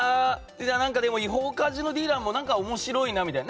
違法カジノディーラーも何か面白いなみたいな。